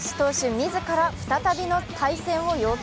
自ら再びの対戦を要求。